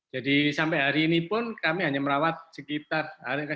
jadi sampai hari ini pun kami hanya merawat sekitar